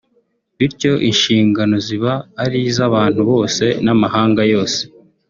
bityo inshingano ziba ari iz’abantu bose n’amahanga yose